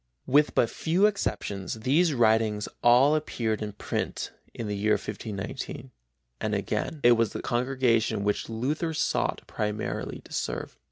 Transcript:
With but few exceptions these writings all appeared in print in the year 1519, and again it was the congregation which Luther sought primarily to serve.